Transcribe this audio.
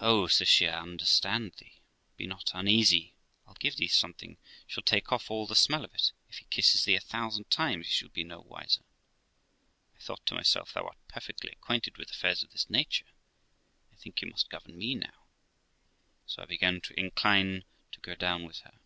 'Oh', says she, 'I understand thee. Be not uneasy; I'll give thee something shall take off all the smell of it; if he kisses thee a thousand times he shall be no wiser.' I thought to myself, 'Thou art perfectly acquainted with affairs of this nature; I think you must govern me now '; so I began to incline to go down with her.